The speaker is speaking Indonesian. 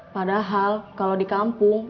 padahal kalau di kampung